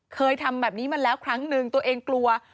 เคยทำแบบนี้มาแล้วครั้งนึงตัวเองกลัว